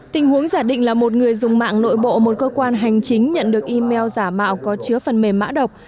tình huống giả định là một người dùng mạng nội bộ một cơ quan hành chính nhận được email giả mạo có chứa phần mềm mã độc